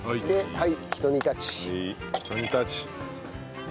はい。